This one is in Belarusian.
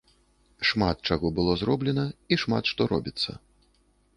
Шмат чаго было зроблена, і шмат што робіцца.